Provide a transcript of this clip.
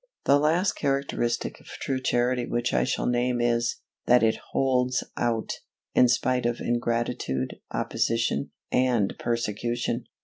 The last characteristic of true Charity which I shall name is, that it holds out, in spite of ingratitude, opposition, and persecution!